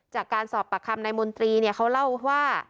จากการสอบปากคำนายมนตรีเขาเล่าว่า